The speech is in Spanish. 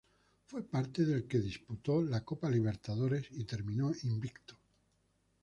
Fue parte del que disputó la Copa Libertadores y terminó invicto.